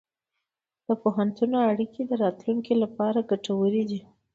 د پوهنتون اړیکې د راتلونکي لپاره ګټورې دي.